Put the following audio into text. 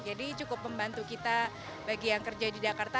jadi cukup membantu kita bagi yang kerja di jakarta